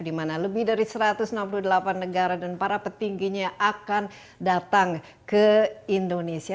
di mana lebih dari satu ratus enam puluh delapan negara dan para petingginya akan datang ke indonesia